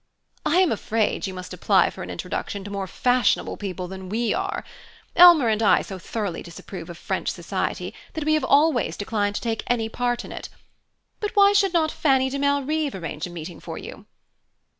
"I am afraid you must apply for an introduction to more fashionable people than we are. Elmer and I so thoroughly disapprove of French society that we have always declined to take any part in it. But why should not Fanny de Malrive arrange a meeting for you?"